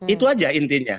itu aja intinya